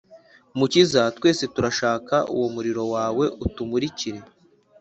Mukiza, Twese turashak’ uwo muriro wawe utumurikire